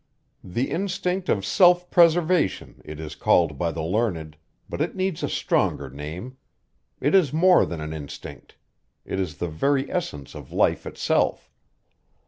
The instinct of self preservation, it is called by the learned, but it needs a stronger name. It is more than an instinct. It is the very essence of life itself.